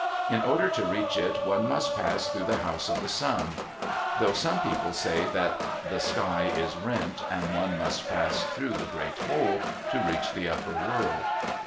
In order to reach it, one must pass through the House of the Sun; though some people say that the sky is rent and one must pass through the great hole to reach the upper world.